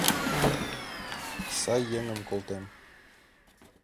Сай еҥым колтем.